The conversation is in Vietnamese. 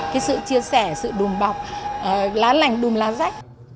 cái sự chia sẻ sự đùm bọc lá lành đùm lá rách